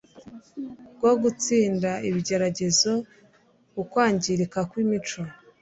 bwo gutsinda ibigeragezo Ukwangirika kwimico